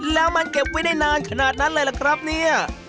แล้วมันเก็บไว้ได้นานขนาดนั้นเลยล่ะครับเนี่ย